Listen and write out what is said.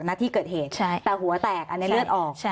ณที่เกิดเหตุแต่หัวแตกอันนี้เลือดออก